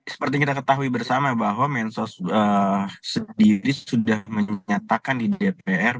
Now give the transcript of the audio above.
seperti kita ketahui bersama bahwa mensos sendiri sudah menyatakan di dpr